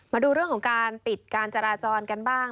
มาดูเรื่องของการปิดการจราจรกันบ้าง